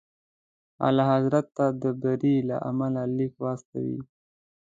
اعلیحضرت ته د بري له امله لیک واستوئ.